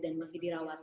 dan masih dirawat